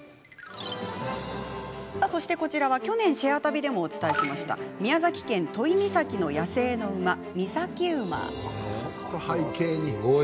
そして、こちらは去年「シェア旅」でもお伝えした宮崎県都井岬の野生の馬、岬馬。